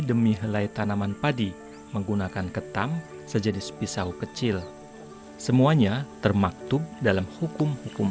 demi helai tanaman padi menggunakan ketam sejenis pisau kecil semuanya termaktub dalam hukum hukum